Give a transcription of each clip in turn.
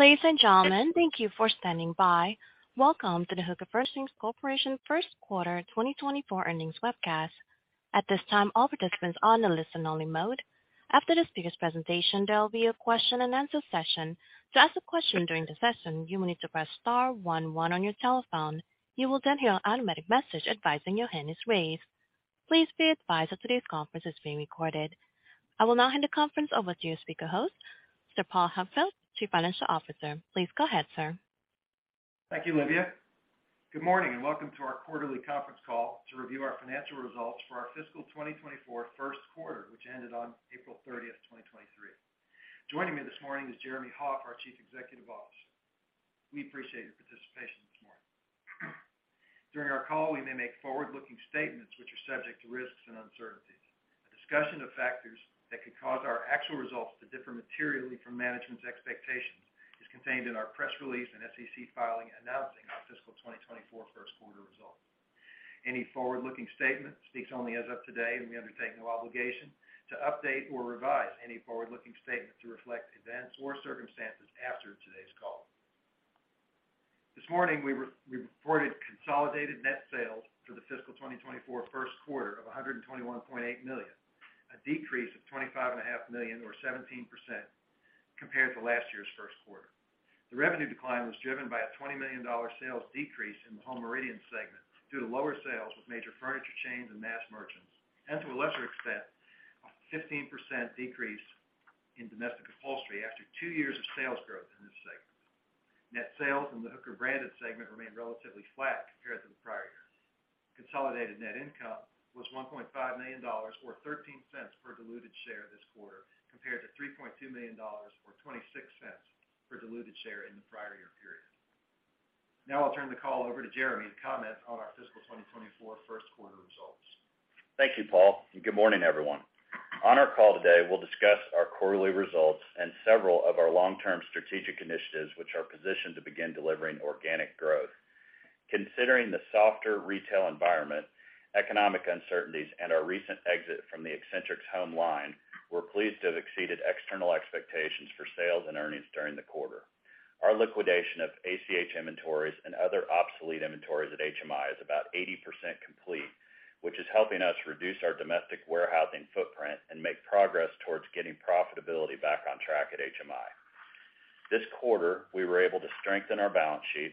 Ladies and gentlemen, thank you for standing by. Welcome to the Hooker Furnishings Corporation First Quarter 2024 Earnings Webcast. At this time, all participants are on the listen-only mode. After the speaker's presentation, there will be a question and answer session. To ask a question during the session, you will need to press star one one on your telephone. You will then hear an automatic message advising your hand is raised. Please be advised that today's conference is being recorded. I will now hand the conference over to your speaker host, Sir Paul Huckfeldt, Chief Financial Officer. Please go ahead, sir. Thank you, Lydia. Good morning, and welcome to our quarterly conference call to review our financial results for our fiscal 2024 first quarter, which ended on April 30, 2023. Joining me this morning is Jeremy Hoff, our Chief Executive Officer. We appreciate your participation this morning. During our call, we may make forward-looking statements which are subject to risks and uncertainties. A discussion of factors that could cause our actual results to differ materially from management's expectations is contained in our press release and SEC filing announcing our fiscal 2024 first quarter results. Any forward-looking statement speaks only as of today, and we undertake no obligation to update or revise any forward-looking statement to reflect events or circumstances after today's call. This morning, we reported consolidated net sales for the fiscal 2024 first quarter of $121.8 million, a decrease of $25.5 million, or 17% compared to last year's first quarter. The revenue decline was driven by a $20 million sales decrease in the Home Meridian segment due to lower sales with major furniture chains and mass merchants, and to a lesser extent, a 15% decrease in Domestic Upholstery after 2 years of sales growth in this segment. Net sales in the Hooker Branded segment remained relatively flat compared to the prior year. Consolidated net income was $1.5 million, or $0.13 per diluted share this quarter, compared to $3.2 million, or $0.26 per diluted share in the prior year period. Now I'll turn the call over to Jeremy to comment on our fiscal 2024 first quarter results. Thank you, Paul. Good morning, everyone. On our call today, we'll discuss our quarterly results and several of our long-term strategic initiatives, which are positioned to begin delivering organic growth. Considering the softer retail environment, economic uncertainties, and our recent exit from the Accentrics Home line, we're pleased to have exceeded external expectations for sales and earnings during the quarter. Our liquidation of ACH inventories and other obsolete inventories at HMI is about 80% complete, which is helping us reduce our domestic warehousing footprint and make progress towards getting profitability back on track at HMI. This quarter, we were able to strengthen our balance sheet.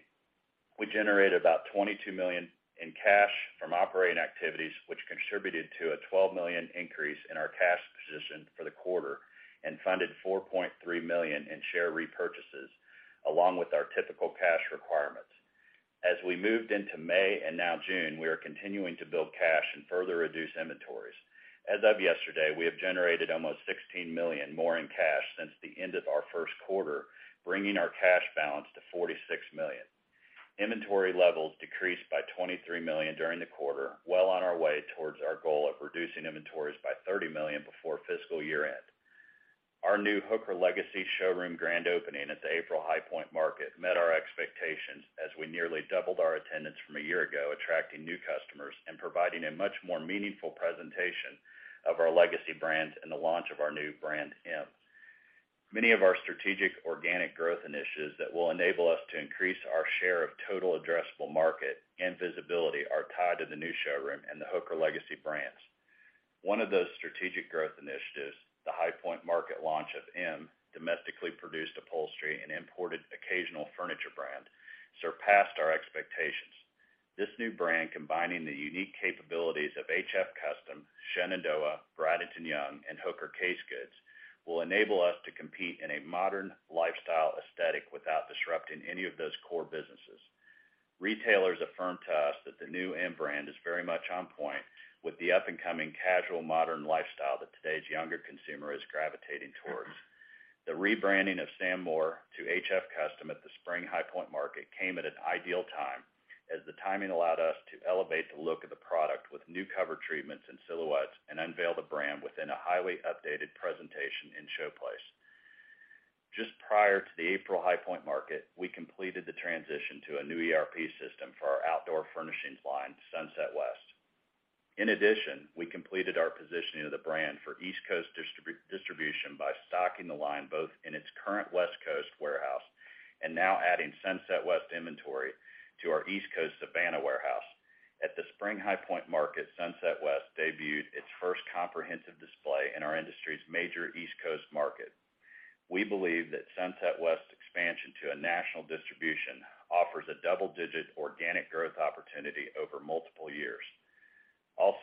We generated about $22 million in cash from operating activities, which contributed to a $12 million increase in our cash position for the quarter and funded $4.3 million in share repurchases, along with our typical cash requirements. As we moved into May and now June, we are continuing to build cash and further reduce inventories. As of yesterday, we have generated almost $16 million more in cash since the end of our first quarter, bringing our cash balance to $46 million. Inventory levels decreased by $23 million during the quarter, well on our way towards our goal of reducing inventories by $30 million before fiscal year-end. Our new Hooker Legacy Showroom grand opening at the April High Point Market met our expectations as we nearly doubled our attendance from a year ago, attracting new customers and providing a much more meaningful presentation of our legacy brands and the launch of our new brand, M. Many of our strategic organic growth initiatives that will enable us to increase our share of total addressable market and visibility are tied to the new showroom and the Hooker Legacy Brands. One of those strategic growth initiatives, the High Point Market launch of M, domestically produced upholstery and imported occasional furniture brand, surpassed our expectations. This new brand, combining the unique capabilities of HF Custom, Shenandoah, Bradington-Young, and Hooker Casegoods, will enable us to compete in a modern lifestyle aesthetic without disrupting any of those core businesses. Retailers affirmed to us that the new M brand is very much on point with the up-and-coming casual, modern lifestyle that today's younger consumer is gravitating towards. The rebranding of Sam Moore to HF Custom at the Spring High Point Market came at an ideal time, as the timing allowed us to elevate the look of the product with new cover treatments and silhouettes and unveil the brand within a highly updated presentation in Showplace. Just prior to the April High Point Market, we completed the transition to a new ERP system for our outdoor furnishings line, Sunset West. In addition, we completed our positioning of the brand for East Coast distribution by stocking the line both in its current West Coast warehouse and now adding Sunset West inventory to our East Coast Savannah warehouse. At the Spring High Point Market, Sunset West debuted its first comprehensive display in our industry's major East Coast market. We believe that Sunset West's expansion to a national distribution offers a double-digit organic growth opportunity over multiple years.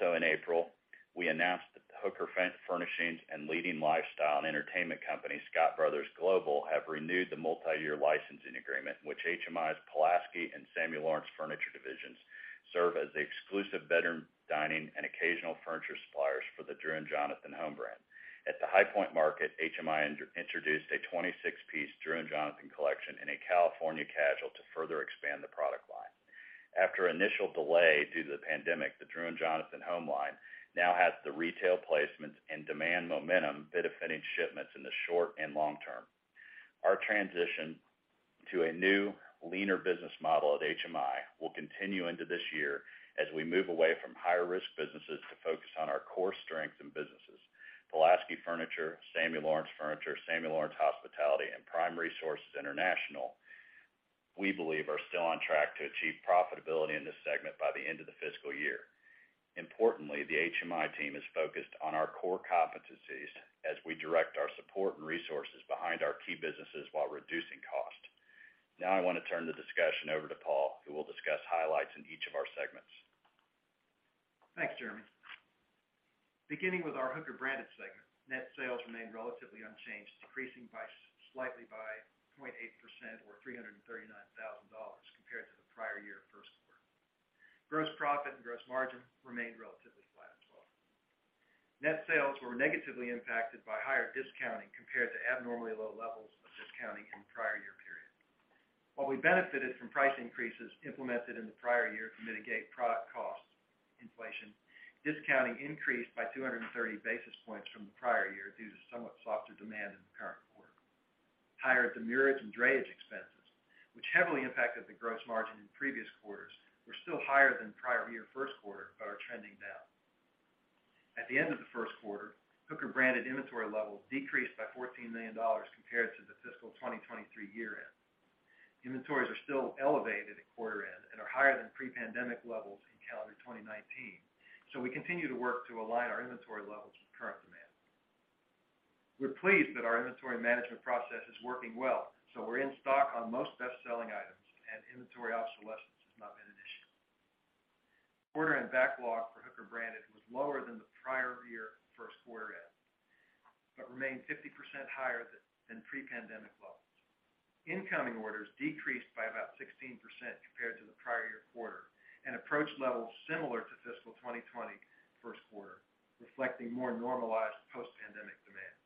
In April, we announced that Hooker Furnishings and leading lifestyle and entertainment company, Scott Brothers Global, have renewed the multi-year licensing agreement, which HMI's Pulaski and Samuel Lawrence Furniture divisions serve as the exclusive bedroom, dining, and occasional furniture suppliers for the Drew & Jonathan Home brand. At the High Point Market, HMI introduced a 26-piece Drew and Jonathan collection in a California casual to further expand the product line. After initial delay due to the pandemic, the Drew & Jonathan Home line now has the retail placements and demand momentum benefiting shipments in the short and long term. Our transition to a new, leaner business model at HMI will continue into this year as we move away from higher risk businesses to focus on our core strength and businesses. Pulaski Furniture, Samuel Lawrence Furniture, Samuel Lawrence Hospitality, and Prime Resources International, we believe are still on track to achieve profitability in this segment by the end of the fiscal year. Importantly, the HMI team is focused on our core competencies as we direct our support and resources behind our key businesses while reducing costs. I want to turn the discussion over to Paul, who will discuss highlights in each of our segments. Thanks, Jeremy. Beginning with our Hooker Branded segment, net sales remained relatively unchanged, decreasing slightly by 0.8% or $339,000 compared to the prior year first quarter. Gross profit and gross margin remained relatively flat as well. Net sales were negatively impacted by higher discounting compared to abnormally low levels of discounting in the prior year period. While we benefited from price increases implemented in the prior year to mitigate product cost inflation, discounting increased by 230 basis points from the prior year due to somewhat softer demand in the current quarter. Higher demurrage and drayage expenses, which heavily impacted the gross margin in previous quarters, were still higher than prior year first quarter, are trending down. At the end of the first quarter, Hooker Branded inventory levels decreased by $14 million compared to the fiscal 2023 year-end. Inventories are still elevated at quarter-end and are higher than pre-pandemic levels in calendar 2019. We continue to work to align our inventory levels with current demand. We're pleased that our inventory management process is working well, so we're in stock on most best-selling items, and inventory obsolescence has not been an issue. Quarter-end backlog for Hooker Branded was lower than the prior year first quarter-end, but remained 50% higher than pre-pandemic levels. Incoming orders decreased by about 16% compared to the prior year quarter, and approached levels similar to fiscal 2020 first quarter, reflecting more normalized post-pandemic demands.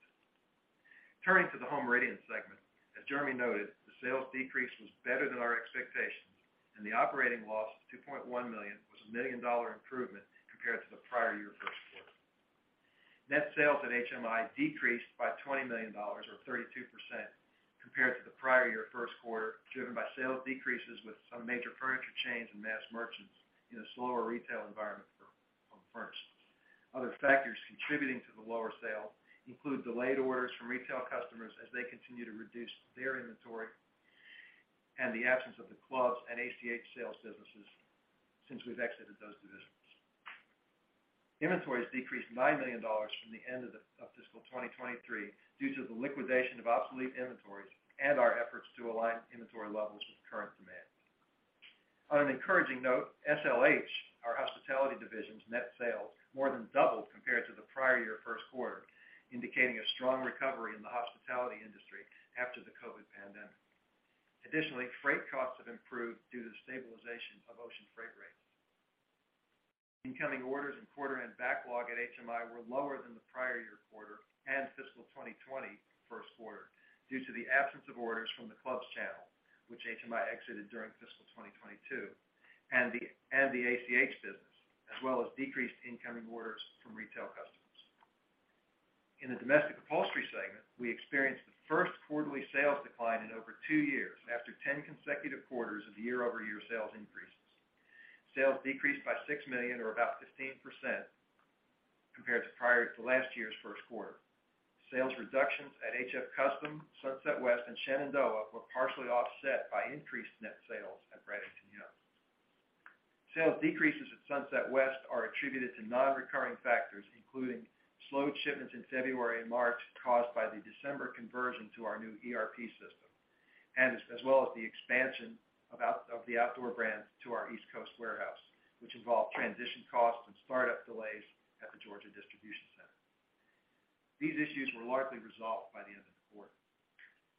Turning to the Home Meridian segment, as Jeremy Hoff noted, the sales decrease was better than our expectations, and the operating loss of $2.1 million was a $1 million-dollar improvement compared to the prior year first quarter. Net sales at HMI decreased by $20 million, or 32% compared to the prior year first quarter, driven by sales decreases with some major furniture chains and mass merchants in a slower retail environment for firms. Other factors contributing to the lower sale include delayed orders from retail customers as they continue to reduce their inventory, and the absence of the clubs and ACH sales businesses since we've exited those divisions. Inventories decreased $9 million from the end of the fiscal 2023 due to the liquidation of obsolete inventories and our efforts to align inventory levels with current demand. On an encouraging note, SLH, our hospitality division's net sales, more than doubled compared to the prior year first quarter, indicating a strong recovery in the hospitality industry after the COVID pandemic. Freight costs have improved due to the stabilization of ocean freight rates. Incoming orders and quarter-end backlog at HMI were lower than the prior year quarter and fiscal 2020 first quarter due to the absence of orders from the clubs channel, which HMI exited during fiscal 2022, and the ACH business, as well as decreased incoming orders from retail customers. In the Domestic Upholstery segment, we experienced the first quarterly sales decline in over two years, after 10 consecutive quarters of year-over-year sales increases. Sales decreased by $6 million, or about 15% compared to prior to last year's first quarter. Sales reductions at HF Custom, Sunset West, and Shenandoah were partially offset by increased net sales at Bradington-Young. Sales decreases at Sunset West are attributed to non-recurring factors, including slowed shipments in February and March, caused by the December conversion to our new ERP system, as well as the expansion of the outdoor brand to our East Coast warehouse, which involved transition costs and startup delays at the Georgia distribution center. These issues were largely resolved by the end of the quarter.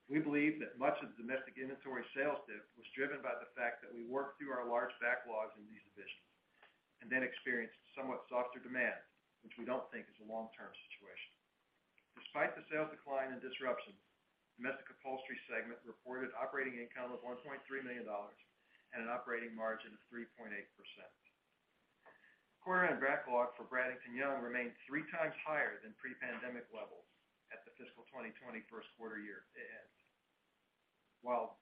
We believe that much of the domestic inventory sales dip was driven by the fact that we worked through our large backlogs in these divisions and then experienced somewhat softer demand, which we don't think is a long-term situation. Despite the sales decline and disruption, Domestic Upholstery segment reported operating income of $1.3 million and an operating margin of 3.8%. Quarter-end backlog for Bradington-Young remained three times higher than pre-pandemic levels at the fiscal 2020 first quarter year-end.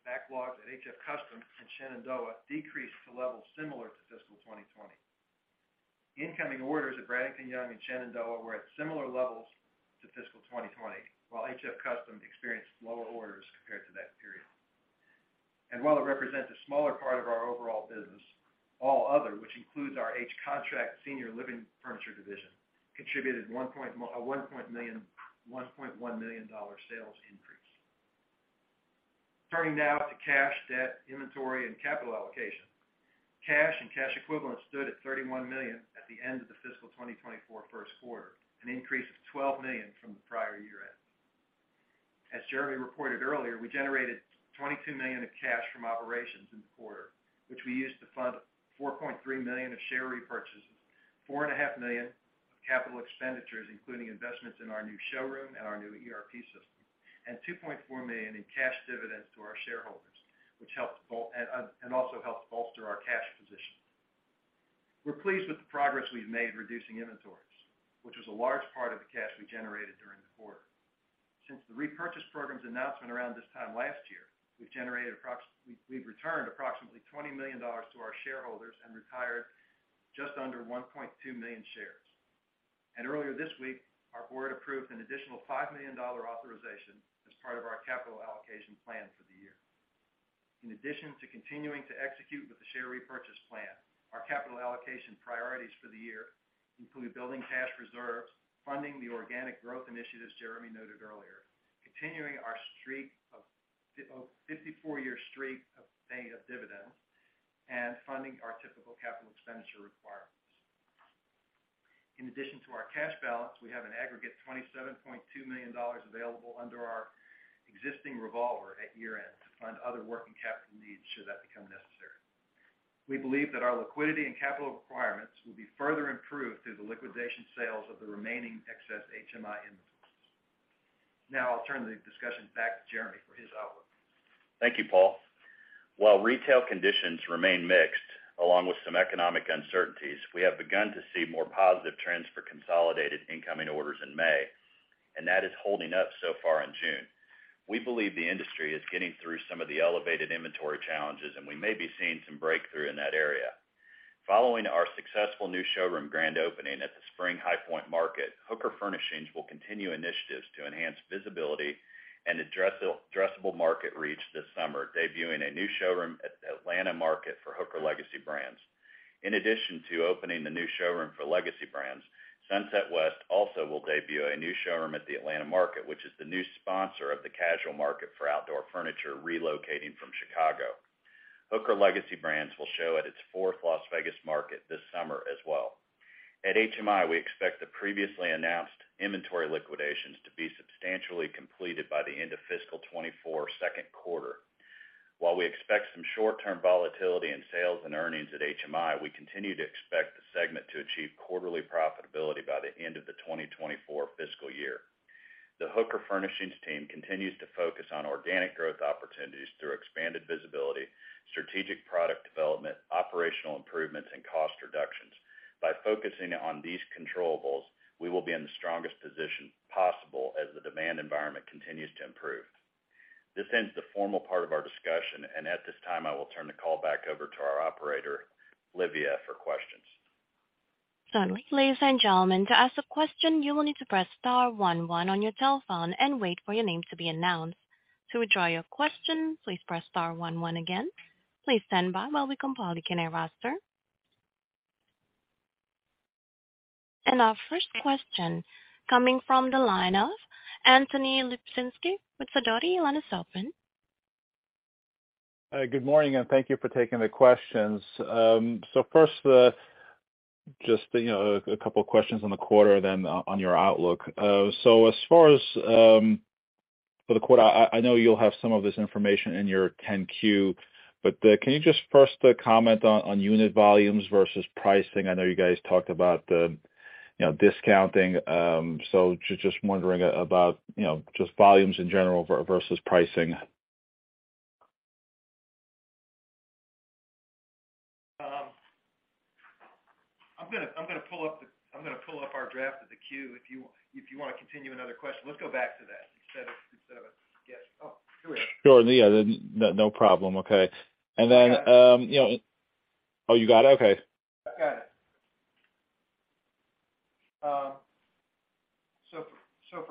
Backlogs at HF Custom and Shenandoah decreased to levels similar to fiscal 2020. Incoming orders at Bradington-Young and Shenandoah were at similar levels to fiscal 2020, while HF Custom experienced lower orders compared to that period. While it represents a smaller part of our overall business, all other, which includes our H Contract Senior Living Furniture division, contributed a $1.1 million sales increase. Turning now to cash, debt, inventory, and capital allocation. Cash and cash equivalents stood at $31 million at the end of the fiscal 2024 first quarter, an increase of $12 million from the prior year-end. As Jeremy reported earlier, we generated $22 million of cash from operations in the quarter, which we used to fund $4.3 million of share repurchases, 4.5 million of capital expenditures, including investments in our new showroom and our new ERP system, and $2.4 million in cash dividends to our shareholders, which also helped bolster our cash position. We're pleased with the progress we've made reducing inventories, which is a large part of the cash we generated. The repurchase programs announcement around this time last year, we've returned approximately $20 million to our shareholders and retired just under 1.2 million shares. Earlier this week, our board approved an additional $5 million authorization as part of our capital allocation plan for the year. In addition to continuing to execute with the share repurchase plan, our capital allocation priorities for the year include building cash reserves, funding the organic growth initiatives Jeremy noted earlier, continuing our 54-year streak of paying a dividend, and funding our typical capital expenditure requirements. In addition to our cash balance, we have an aggregate $27.2 million available under our existing revolver at year-end to fund other working capital needs, should that become necessary. We believe that our liquidity and capital requirements will be further improved through the liquidation sales of the remaining excess HMI inventories. I'll turn the discussion back to Jeremy for his outlook. Thank you, Paul. While retail conditions remain mixed, along with some economic uncertainties, we have begun to see more positive trends for consolidated incoming orders in May, and that is holding up so far in June. We believe the industry is getting through some of the elevated inventory challenges, and we may be seeing some breakthrough in that area. Following our successful new showroom grand opening at the Spring High Point Market, Hooker Furnishings will continue initiatives to enhance visibility and addressable market reach this summer, debuting a new showroom at the Atlanta Market for Hooker Legacy Brands. In addition to opening the new showroom for Legacy Brands, Sunset West also will debut a new showroom at the Atlanta Market, which is the new sponsor of the casual market for outdoor furniture, relocating from Chicago. Hooker Legacy Brands will show at its fourth Las Vegas Mat this summer as well. At HMI, we expect the previously announced inventory liquidations to be substantially completed by the end of fiscal 2024 second quarter. While we expect some short-term volatility in sales and earnings at HMI, we continue to expect the segment to achieve quarterly profitability by the end of the 2024 fiscal year. The Hooker Furnishings team continues to focus on organic growth opportunities through expanded visibility, strategic product development, operational improvements, and cost reductions. By focusing on these controllables, we will be in the strongest position possible as the demand environment continues to improve. This ends the formal part of our discussion, and at this time, I will turn the call back over to our operator, Lydia, for questions. Certainly. Ladies and gentlemen, to ask a question, you will need to press star one one on your telephone and wait for your name to be announced. To withdraw your question, please press star one one again. Please stand by while we compile the Q & A roster. Our first question, coming from the line of Anthony Lebiedzinski with Sidoti & Company. Good morning, thank you for taking the questions. First, just, you know, a couple of questions on the quarter, then on your outlook. As far as for the quarter, I know you'll have some of this information in your 10-Q, but can you just first comment on unit volumes versus pricing? I know you guys talked about the, you know, discounting, just wondering about, you know, just volumes in general versus pricing. I'm gonna pull up our draft of the Q, if you wanna continue another question. Let's go back to that instead of a guess. Here we go. Sure. Yeah, no problem. Okay. Yeah. You know, Oh, you got it? Okay. I've got it. For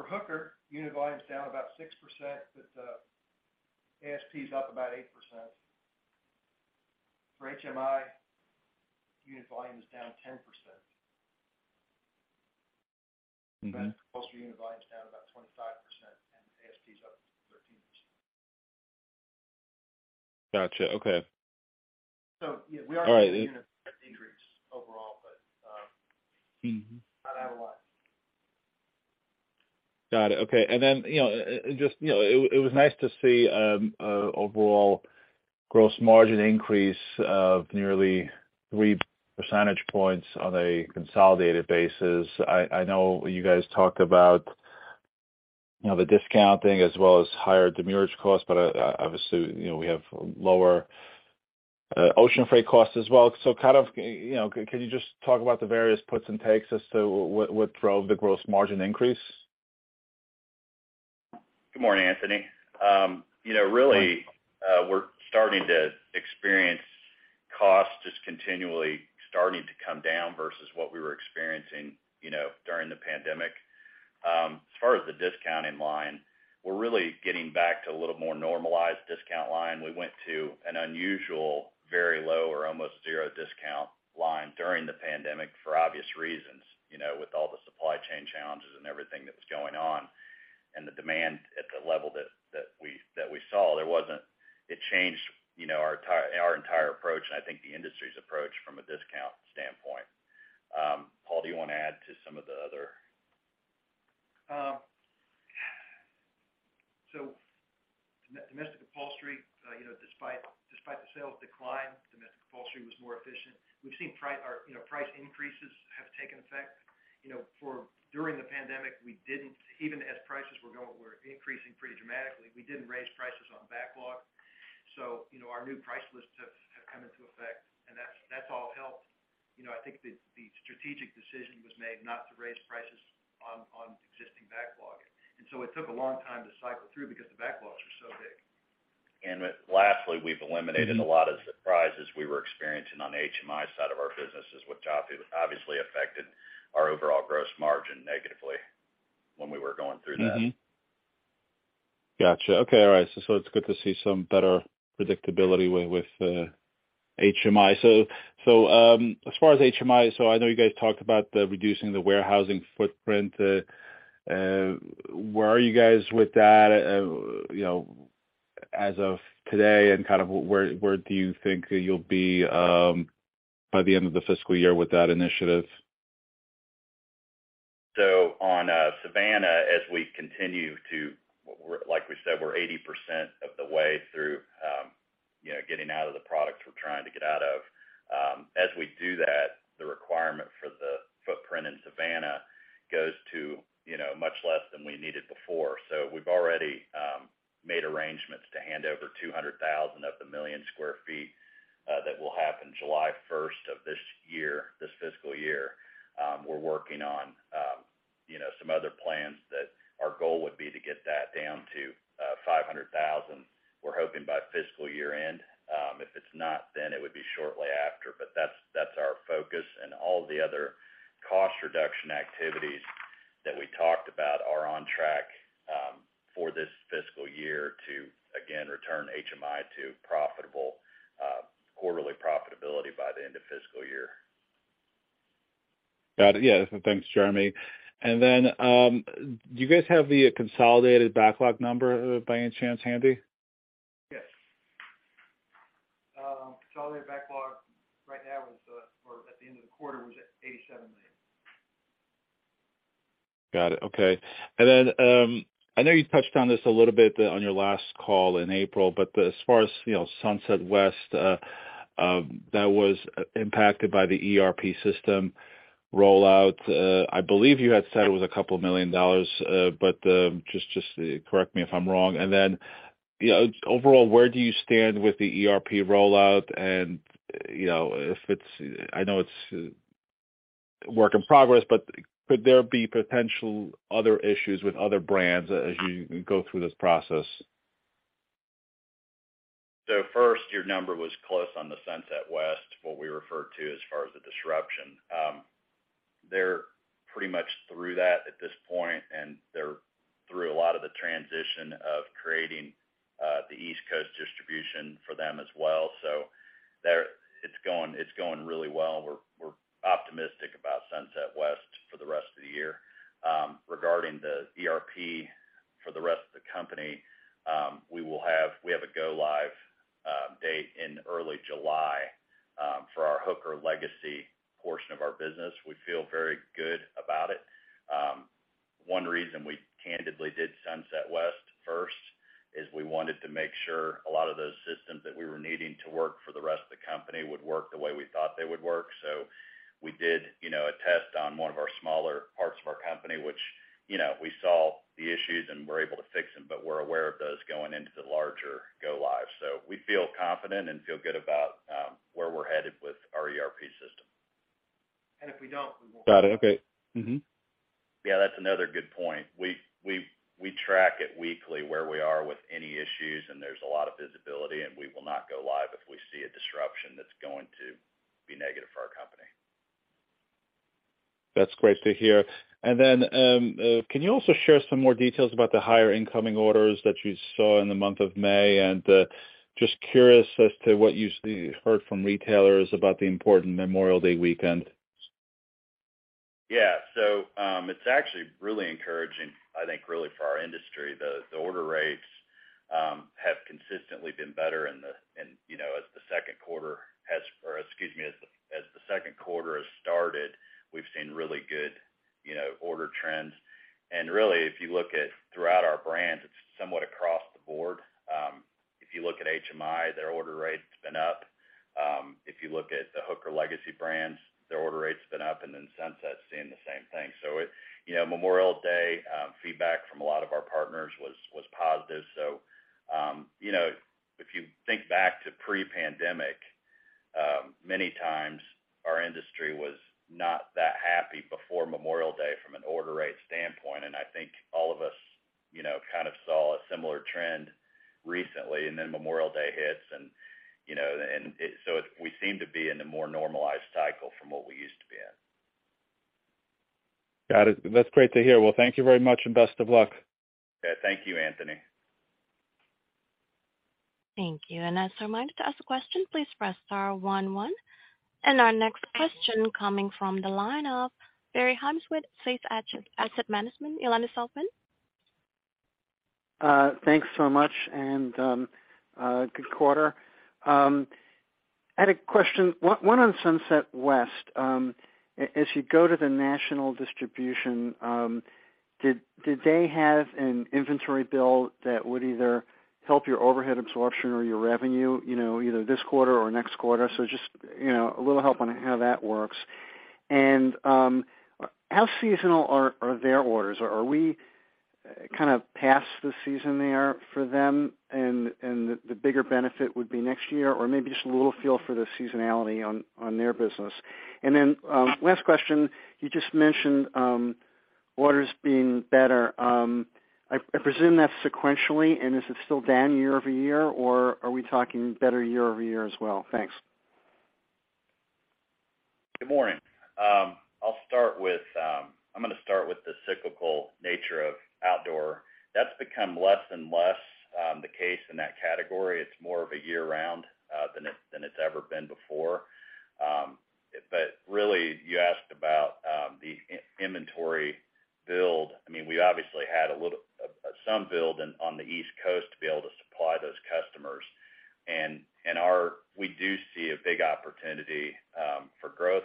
Hooker, unit volume is down about 6%, ASP is up about 8%. For HMI, unit volume is down 10%. Mm-hmm. Upholstery unit volume is down about 25%, and ASP is up 13%. Gotcha. Okay. Yeah, we. All right. Unit decrease overall. Mm-hmm. Not out a lot. Got it. Okay. You know, just, you know, it was nice to see overall gross margin increase of nearly 3 percentage points on a consolidated basis. I know you guys talked about, you know, the discounting as well as higher demurrage costs, but obviously, you know, we have lower ocean freight costs as well. Kind of, you know, can you just talk about the various puts and takes as to what drove the gross margin increase? Good morning, Anthony. You know, really, we're starting to experience costs just continually starting to come down versus what we were experiencing, you know, during the pandemic. As far as the discount in line, we're really getting back to a little more normalized discount line. We went to an unusual, very low or almost zero discount line during the pandemic for obvious reasons, you know, with all the supply chain challenges and everything that was going on, and the demand at the level that we saw. It changed, you know, our entire approach, and I think the industry's approach from a discount standpoint. Paul, do you want to add to some of the other? Domestic Upholstery, you know, despite the sales decline, domestic upholstery was more efficient. We've seen price, you know, price increases have taken effect. You know, for during the pandemic, we didn't even as prices were increasing pretty dramatically, we didn't raise prices on backlog. You know, our new price lists have come into effect, and that's all helped. You know, I think the strategic decision was made not to raise prices on existing backlog. It took a long time to cycle through because the backlogs were so big. Lastly, we've eliminated a lot of surprises we were experiencing on the HMI side of our business, is what obviously affected our overall gross margin negatively when we were going through that. Got you. Okay, all right. It's good to see some better predictability with HMI. As far as HMI, so I know you guys talked about the reducing the warehousing footprint. Where are you guys with that, you know, as of today, and kind of where do you think you'll be by the end of the fiscal year with that initiative? On Savannah, as we continue to. We're, like we said, we're 80% of the way through, you know, getting out of the products we're trying to get out of. As we do that, the requirement for the footprint in Savannah goes to, much less than we needed before. We've already made arrangements to hand over 200,000 of the million sq. ft. that will happen July first of this year, this fiscal year. We're working on, you know, some other plans that our goal would be to get that down to 500,000, we're hoping by fiscal year-end. If it's not, then it would be shortly after. That's our focus, and all the other cost reduction activities that we talked about are on track for this fiscal year to, again, return HMI to profitable quarterly profitability by the end of fiscal year. Got it. Yeah, thanks, Jeremy. Do you guys have the consolidated backlog number by any chance handy? Yes. Consolidated backlog right now is, or at the end of the quarter, was at $87 million. Got it. Okay. I know you touched on this a little bit on your last call in April, but as far as, you know, Sunset West, that was impacted by the ERP system rollout, I believe you had said it was a couple million dollars, but just correct me if I'm wrong. You know, overall, where do you stand with the ERP rollout? You know, I know it's a work in progress, but could there be potential other issues with other brands as you go through this process? First, your number was close on the Sunset West, what we refer to as far as the disruption. They're pretty much through that at this point, and they're through a lot of the transition of creating the East Coast distribution for them as well. It's going really well. We're optimistic about Sunset West for the rest of the year. Regarding the ERP for the rest of the company, we have a go-live date in early July for our Hooker Legacy portion of our business. We feel very good about it. One reason we candidly did Sunset West first, is we wanted to make sure a lot of those systems that we were needing to work for the rest of the company would work the way we thought they would work. We did, you know, a test on one of our smaller parts of our company, which, you know, we saw the issues and we're able to fix them, but we're aware of those going into the larger go-live. We feel confident and feel good about where we're headed with our ERP system. If we don't, we won't. Got it. Okay. Mm-hmm. Yeah, that's another good point. We track it weekly, where we are with any issues, and there's a lot of visibility, and we will not go-live if we see a disruption that's going to be negative for our company. That's great to hear. Can you also share some more details about the higher incoming orders that you saw in the month of May? Just curious as to what you heard from retailers about the important Memorial Day weekend? Yeah. It's actually really encouraging, I think, really, for our industry. The order rates have consistently been better, you know, as the second quarter has started, we've seen really good, you know, order trends. Really, if you look at throughout our brands, it's somewhat across the board. If you look at HMI, their order rate's been up. If you look at the Hooker Legacy Brands, their order rate's been up, then Sunset's seeing the same thing. It, you know, Memorial Day, feedback from a lot of our partners was positive. You know, if you think back to pre-pandemic, many times our industry was not that happy before Memorial Day from an order rate standpoint. I think all of us, you know, kind of saw a similar trend recently, and then Memorial Day hits and, you know, so we seem to be in a more normalized cycle from what we used to be in. Got it. That's great to hear. Well, thank you very much, and best of luck. Yeah. Thank you, Anthony. Thank you. As a reminder, to ask a question, please press star one. Our next question coming from the line of Barry Haimes with Sage Asset Management. Your line is open. Thanks so much, good quarter. I had a question, one on Sunset West. As you go to the national distribution, did they have an inventory build that would either help your overhead absorption or your revenue, you know, either this quarter or next quarter? Just, you know, a little help on how that works. How seasonal are their orders? Are we kind of past the season there for them and the bigger benefit would be next year? Maybe just a little feel for the seasonality on their business. Last question, you just mentioned orders being better. I presume that's sequentially, and is it still down year-over-year, or are we talking better year-over-year as well? Thanks. Good morning. I'm gonna start with the cyclical nature of outdoor. That's become less and less the case in that category. It's more of a year round than it's ever been before. Really, you asked about the in-inventory build. I mean, we obviously had some build on the East Coast to be able to supply those customers. We do see a big opportunity for growth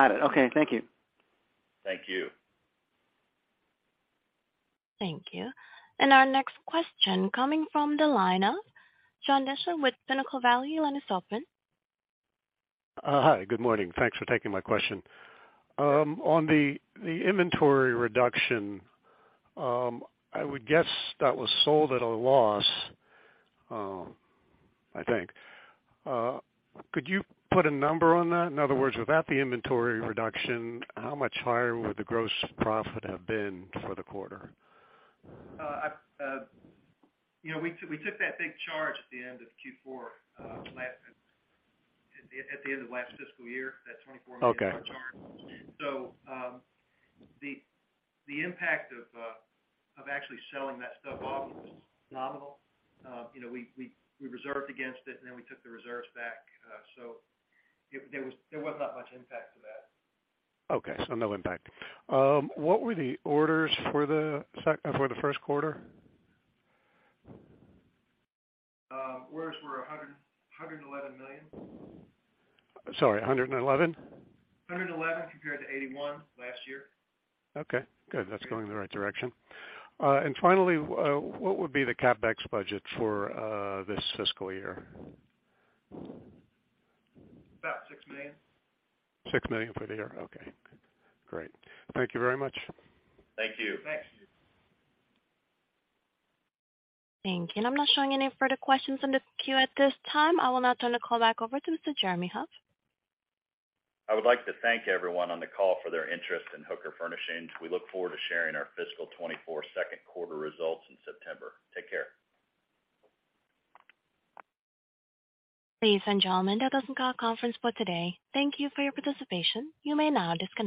at Sunset because, you know, all of a sudden, the distribution that we're gaining east versus just being more of a West Coast-centric company, gives us a lot of opportunity, really in pretty major revenue portions of the country that we can take advantage of, so. The other part of your question, Paul, do you want to answer that on the orders? The improvement is year-over-year. Got it. Okay, thank you. Thank you. Thank you. Our next question, coming from the line of John Deysher with Pinnacle Value Fund. Your line is open. Hi, good morning. Thanks for taking my question. On the inventory reduction, I would guess that was sold at a loss, I think. Could you put a number on that? In other words, without the inventory reduction, how much higher would the gross profit have been for the quarter? I've, you know, we took that big charge at the end of Q4, last, at the end of the last fiscal year, that $24 million charge. Okay. The impact of actually selling that stuff off was nominal. You know, we reserved against it, and then we took the reserves back, so there was not much impact to that. Okay, no impact. What were the orders for the first quarter? Orders were $111 million. Sorry, 111? $111, compared to $81 last year. Okay, good. That's going in the right direction. Finally, what would be the CapEx budget for this fiscal year? About $6 million. $6 million for the year? Okay, great. Thank you very much. Thank you. Thanks. Thank you. I'm not showing any further questions on the queue at this time. I will now turn the call back over to Mr. Jeremy Hoff. I would like to thank everyone on the call for their interest in Hooker Furnishings. We look forward to sharing our fiscal 2024 second quarter results in September. Take care. Ladies and gentlemen, that does end our conference call today. Thank you for your participation. You may now disconnect.